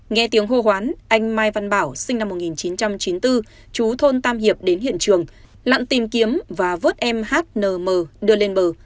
nghe tiếng hô hoán anh mai văn bảo sinh năm một nghìn chín trăm chín mươi bốn chú thôn tam hiệp đến hiện trường lặn tìm kiếm và vớt em hnm đưa lên bờ